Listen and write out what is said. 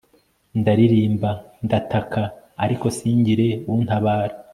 Ndaririmba ndataka ariko singire untabara